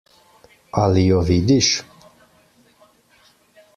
Ali jo vidiš?